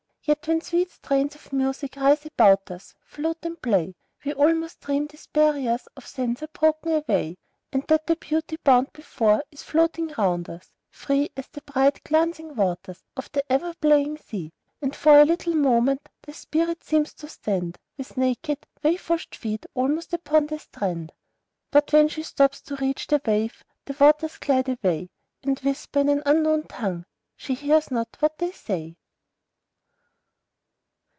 Yet when sweet strains of music rise about us, float, and play, We almost dream these barriers of sense are broken away, And that the beauty bound before is floating round us, free As the bright, glancing waters of the ever playing sea. And for a little moment, the spirit seems to stand With naked, wave washed feet almost upon the strand. But when she stoops to reach the wave, the waters glide away, And whisper in an unknown tongue, she hears not what they say.